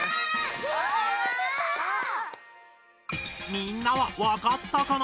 みんなはわかったかな？